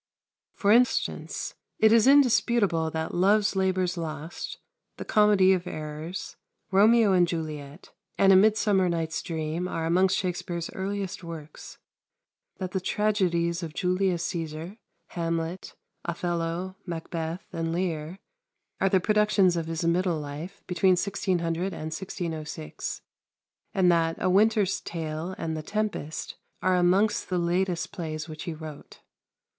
For instance, it is indisputable that "Love's Labour's Lost," "The Comedy of Errors," "Romeo and Juliet," and "A Midsummer Night's Dream" are amongst Shakspere's earliest works; that the tragedies of "Julius Caesar," "Hamlet," "Othello," "Macbeth," and "Lear" are the productions of his middle life, between 1600 and 1606; and that "A Winter's Tale" and "The Tempest" are amongst the latest plays which he wrote.